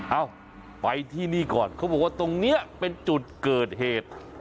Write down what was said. เอ้าไปที่นี่ก่อนเขาบอกว่าตรงนี้เป็นจุดเกิดเหตุ